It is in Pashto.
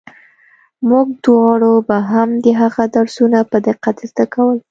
موږ دواړو به هم د هغه درسونه په دقت زده کول.